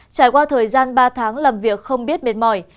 trải qua thời gian ba tháng làm việc không biết mệt mỏi